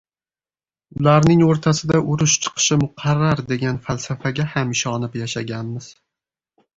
ularning o‘rtasida urush chiqishi muqarrar degan falsafaga ham ishonib yashaganmiz.